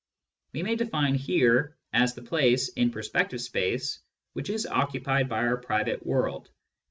We may define "here" as the place, in perspective space, which is occupied by our private world.